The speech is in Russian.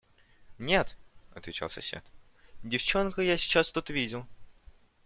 – Нет, – отвечал сосед, – девчонку я сейчас тут видел.